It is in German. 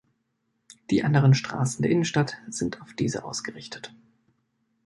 Die anderen Straßen der Innenstadt sind auf diese ausgerichtet.